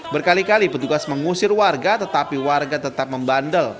berkali kali petugas mengusir warga tetapi warga tetap membandel